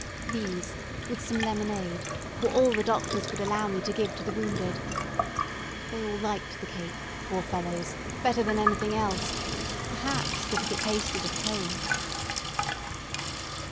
These, with some lemonade, were all the doctors would allow me to give to the wounded. They all liked the cake, poor fellows, better than anything else: perhaps because it tasted of "home."